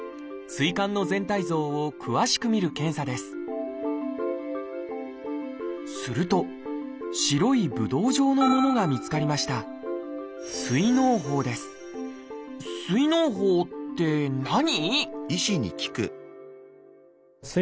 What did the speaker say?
膵管の全体像を詳しくみる検査ですすると白いぶどう状のものが見つかりました「膵のう胞」って何？